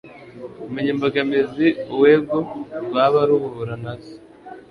kumenya imbogamizi uwego rwaba ruhura nazo